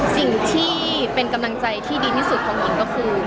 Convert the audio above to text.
สิ่งที่เป็นกำลังใจที่ดีที่สุดของหญิงก็คือ